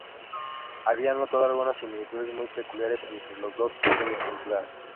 Había notado algunas similitudes muy peculiares entre los dos tipos de entidades.